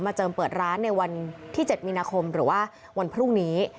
เจิมเปิดร้านในวันที่๗มีนาคมหรือว่าวันพรุ่งนี้